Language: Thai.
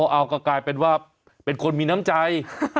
เอาก็กลายเป็นว่าเป็นคนมีน้ำใจ